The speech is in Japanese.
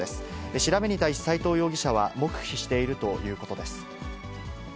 調べに対し、斎藤容疑者は黙秘しているということです。